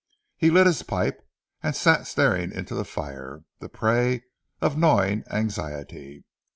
He lit his pipe, and sat staring into the fire, the prey of gnawing anxiety.